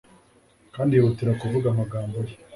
kandi yihutira kuvuga amagambo ye